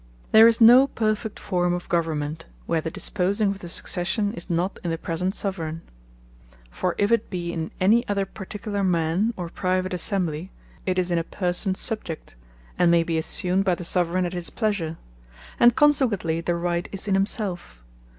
There is no perfect forme of Government, where the disposing of the Succession is not in the present Soveraign. For if it be in any other particular Man, or private Assembly, it is in a person subject, and may be assumed by the Soveraign at his pleasure; and consequently the Right is in himselfe.